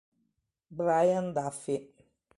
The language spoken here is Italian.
Brian Duffy